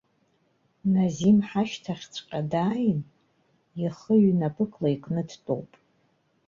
Назим ҳашьҭахьҵәҟьа дааин, ихы ҩнапыкла икны дтәоуп.